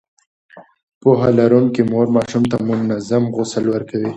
پوهه لرونکې مور ماشوم ته منظم غسل ورکوي.